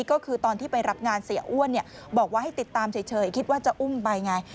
ก็คือตอนที่ไปรับงานเสียอ้วนบอกว่าให้ติดตามเฉยคิดว่าจะอุ้มไปไง